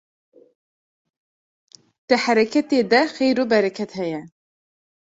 Di hereketê de xêr û bereket heye